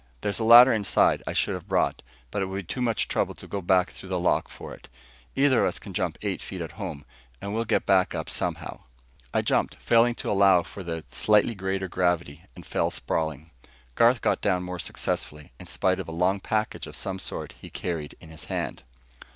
"There's a ladder inside I should have brought, but it would be too much trouble to go back through the lock for it. Either of us can jump eight feet at home, and we'll get back up somehow." I jumped, failing to allow for the slightly greater gravity, and fell sprawling. Garth got down more successfully, in spite of a long package of some sort he carried in his hand.